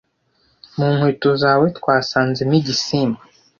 mu nkweto zawe twasanzemo igisimba